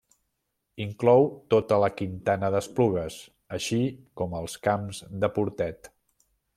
Inclou tota la Quintana d'Esplugues, així com els Camps de Portet.